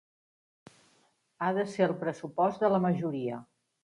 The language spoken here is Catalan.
Ha de ser el pressupost de la majoria.